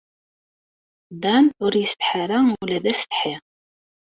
Dan ur yessetḥa ara ula d assetḥi.